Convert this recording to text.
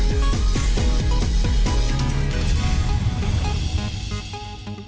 terima kasih banyak pak tito